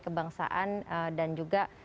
kebangsaan dan juga